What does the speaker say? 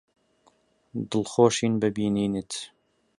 دڵخۆشین بە بینینت.